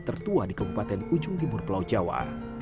tertua di kabupaten ujung timur pulau jawa